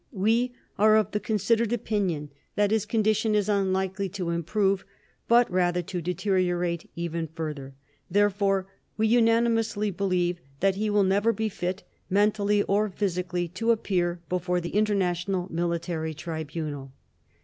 We are of the considered opinion that his condition is unlikely to improve, but rather to deteriorate even further. Therefore, we unanimously believe that he will never be fit, mentally or physically, to appear before the International Military Tribunal.